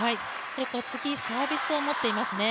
次、サービスを持っていますね。